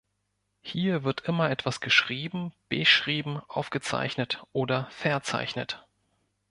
Hier wird immer etwas geschrieben, beschrieben, aufgezeichnet oder verzeichnet.